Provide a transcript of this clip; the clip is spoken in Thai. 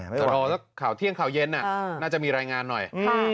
จะรอสักข่าวเที่ยงข่าวเย็นน่าจะมีรายงานหน่อย